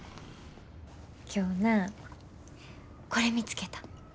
今日なこれ見つけた。